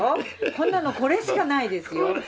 こんなのこれしかないですよ東京時代。